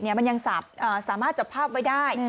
มันยังสามารถจับภาพไว้ได้